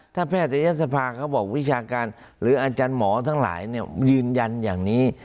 ถ้าแพทยศภาเขาบอกวิชาการหรืออาจารย์หมอทั้งหลายยืนยันอย่างนี้